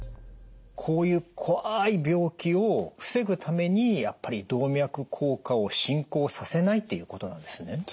こういう怖い病気を防ぐためにやっぱり動脈硬化を進行させないっていうことなんですね？